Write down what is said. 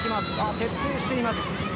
徹底しています。